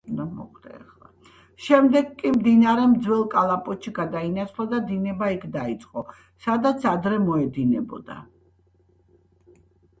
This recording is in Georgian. შემდეგ კი, მდინარემ ძველ კალაპოტში გადაინაცვლა და დინება იქ დაიწყო, სადაც ადრე მოედინებოდა.